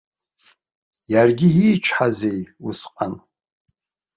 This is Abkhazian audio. Иаргьы иичҳазеи усҟан!